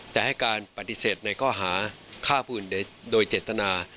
แต่ให้การปฏิเสธในข้อหาฆ่าผู้อื่นโดยเจตนา